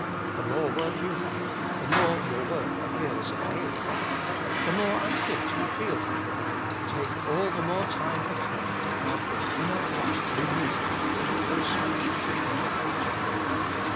The more work you have, the more your work appears a failure. The more unfit you feel for work, take all the more time and care to have your inner life renewed in close fellowship with God.